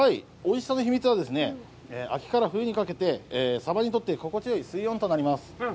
おいしさの秘密は、秋から冬にかけてサバにとって心地よい水温となります。